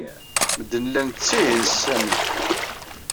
Medden llan ttettihin s Sami.